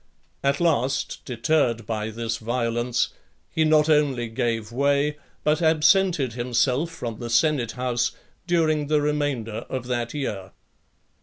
At last, deterred by this violence, he not only gave way, but absented himself from the senate house during the remainder of that year.